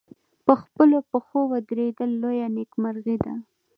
په خپلو پښو ودرېدل لویه نېکمرغي ده.